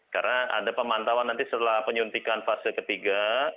karena ada pemantauan nanti setelah penyuntikan fase ketiga